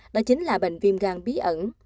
đó chính là bệnh viêm gan bí ẩn